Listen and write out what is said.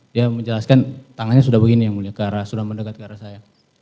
dia menjelaskan tangannya sudah begini ya mulia sudah mendekat ke arah saya